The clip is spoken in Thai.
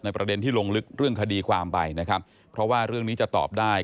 ประเด็นที่ลงลึกเรื่องคดีความไปนะครับเพราะว่าเรื่องนี้จะตอบได้